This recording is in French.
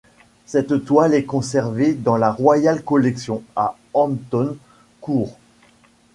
Cette toile est conservée dans la Royal Collection à Hampton Court.